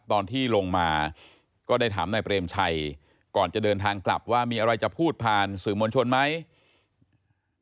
ตอนที่ลงมาก็ได้ถามนายเปรมชัยก่อนจะเดินทางกลับว่ามีอะไรจะพูดผ่านสื่อมวลชนไหม